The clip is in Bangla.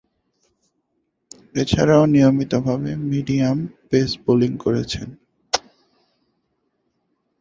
এছাড়াও নিয়মিতভাবে মিডিয়াম-পেস বোলিং করেছেন।